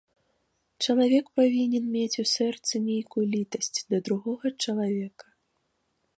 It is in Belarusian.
Чалавек павінен мець у сэрцы нейкую літасць да другога чалавека.